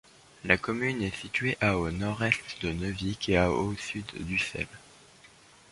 La commune est située à au nord-est de Neuvic et à au sud d'Ussel.